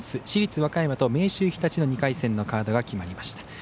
市立和歌山と明秀日立の２回戦のカードが決まりました。